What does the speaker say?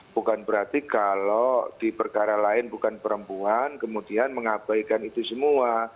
bukan berarti kalau di perkara lain bukan perempuan kemudian mengabaikan itu semua